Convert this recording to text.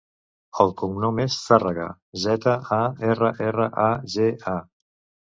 El cognom és Zarraga: zeta, a, erra, erra, a, ge, a.